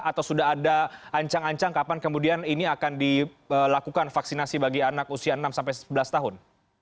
atau sudah ada ancang ancang kapan kemudian ini akan dilakukan vaksinasi bagi anak usia enam sebelas tahun